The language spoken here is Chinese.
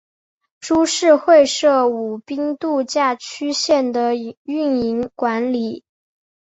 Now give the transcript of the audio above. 株式会社舞滨度假区线的营运管理。